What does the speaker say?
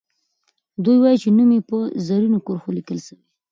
دوي وايي چې نوم یې په زرینو کرښو لیکل سوی.